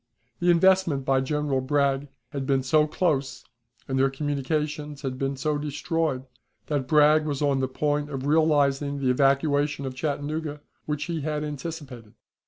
The investment by General Bragg had been so close and their communications had been so destroyed that Bragg was on the point of realizing the evacuation of Chattanooga, which he had anticipated.